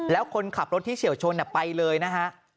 แล้วคนขับรถที่เฉียวชนไปเลยนะฮะ